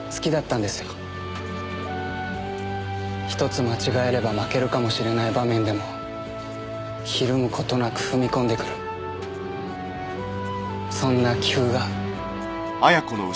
１つ間違えれば負けるかもしれない場面でも怯む事なく踏み込んでくるそんな棋風が。